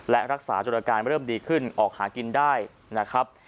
และรักษาจนอาการเริ่มดีขึ้นออกหากินได้นะครับ